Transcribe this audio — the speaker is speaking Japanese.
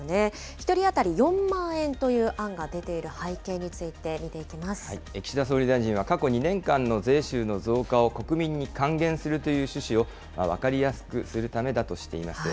１人当たり４万円という案が出て岸田総理大臣は過去２年間の税収の増加を国民に還元するという趣旨を分かりやすくするためだとしています。